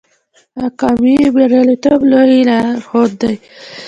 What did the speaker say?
اکامي د بریالیتوب لوی لارښود دی.